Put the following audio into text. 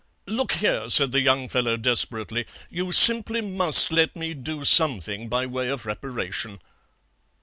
"'Look here,' said the young fellow desperately, 'you simply must let me do something by way of reparation.'